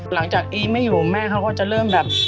หลังจากอีฟไม่อยู่แม่เขาก็จะเริ่มแบบ